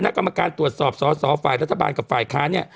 กรรมการตรวจสอบสอสอฝ่ายรัฐบาลกับฝ่ายค้านเนี่ย